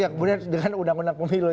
kemudian dengan undang undang pemilu